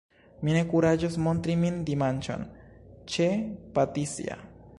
mi ne kuraĝos montri min, dimanĉon, ĉe Patisja!